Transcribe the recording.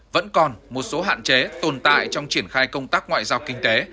vẫn còn một số hạn chế tồn tại trong triển khai công tác ngoại giao kinh tế